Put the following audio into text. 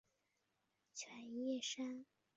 全叶山芹为伞形科当归属的植物。